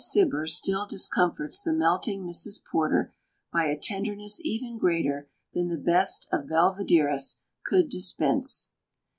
Cibber still discomfits the melting Mrs. Porter by a tenderness even greater than the best of Belvideras could dispense.